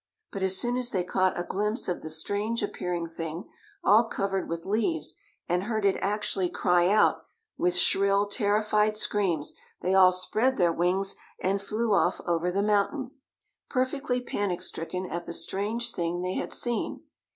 But as soon as they caught a glimpse of the strange appearing thing, all covered with leaves, and heard it actually cry out, with shrill, terrified screams they all spread their wings and flew off over the mountain, perfectly panic stricken at the strange thing they had seen.